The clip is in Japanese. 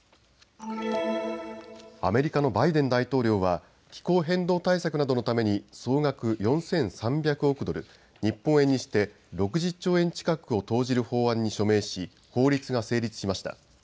アメリカのバイデン大統領は気候変動対策などのために総額４３００億ドル、日本円にして６０兆円近くを投じる法案に署名し法律が成立しました。